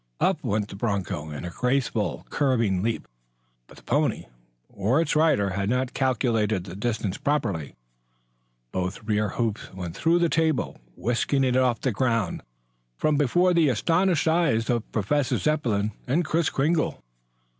Up went the broncho in a graceful curving leap. But the pony or its rider had not calculated the distance properly. Both rear hoofs went through the table, whisking it off the ground from before the astonished eyes of Professor Zepplin and Kris Kringle.